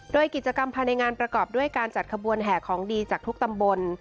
โดยกิจกรรมภายในงานประกอบด้วยการจัดขบวนแห่ของดีจากทุกตำบล